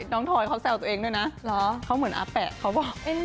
ทอยเขาแซวตัวเองด้วยนะเขาเหมือนอาแปะเขาบอก